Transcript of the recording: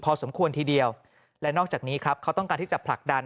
พอสมควรทีเดียวและนอกจากนี้ครับเขาต้องการที่จะผลักดัน